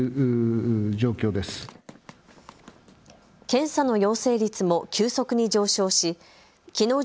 検査の陽性率も急速に上昇しきのう